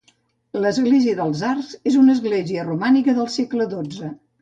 L'ermita dels arcs és una església romànica del segle dotze